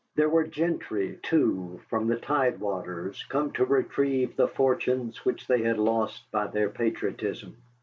There were gentry, too, from the tide waters, come to retrieve the fortunes which they had lost by their patriotism.